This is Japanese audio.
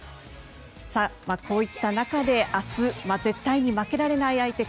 こういった中で明日絶対に負けられない相手